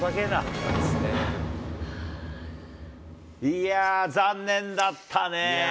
いやー、残念だったね。